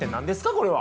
これは。